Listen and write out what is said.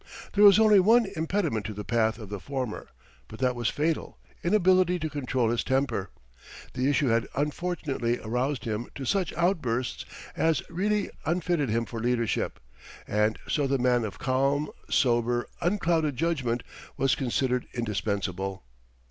There was only one impediment in the path of the former, but that was fatal inability to control his temper. The issue had unfortunately aroused him to such outbursts as really unfitted him for leadership, and so the man of calm, sober, unclouded judgment was considered indispensable.